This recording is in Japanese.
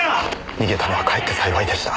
逃げたのはかえって幸いでした。